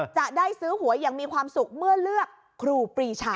จะได้ซื้อหวยอย่างมีความสุขเมื่อเลือกครูปรีชา